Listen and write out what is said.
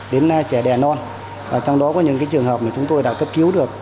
đến trẻ đẻ non và trong đó có những cái trường hợp mà chúng tôi đã cấp cứu được